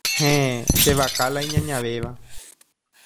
Héẽ. Che vaka la iñañavéva.